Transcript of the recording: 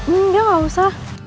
enggak gak usah